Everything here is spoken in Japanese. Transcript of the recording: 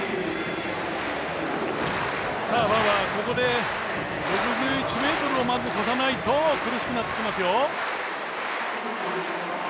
バーバー、ここで６１ｍを越えないと苦しくなってきますよ。